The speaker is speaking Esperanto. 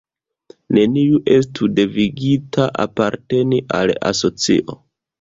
Neniu estu devigita aparteni al asocio.